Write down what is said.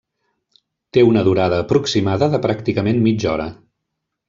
Té una durada aproximada de pràcticament mitja hora.